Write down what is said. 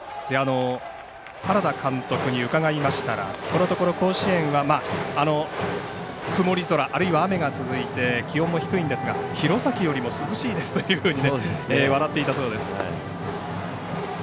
原田監督に伺いましたらこのところ甲子園は曇り空、あるいは雨が続いて気温も低いんですが弘前よりも涼しいですというふうに笑っていたそうです。